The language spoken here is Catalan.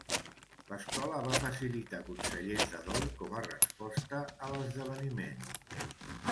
L'escola va facilitar consellers de dol com a resposta a l'esdeveniment.